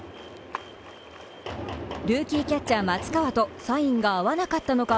ルーキーキャッチャー・松川とサインが合わなかったのか、